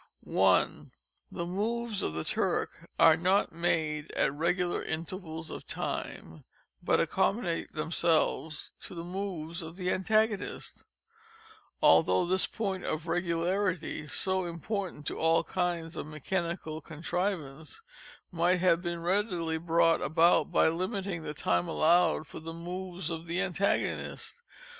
{*5} I. The moves of the Turk are not made at regular intervals of time, but accommodate themselves to the moves of the antagonist—although this point (of regularity) so important in all kinds of mechanical contrivance, might have been readily brought about by limiting the time allowed for the moves of the antagonist.